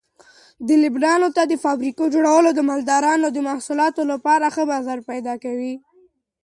د لبنیاتو د فابریکو جوړول د مالدارانو د محصولاتو لپاره ښه بازار پیدا کوي.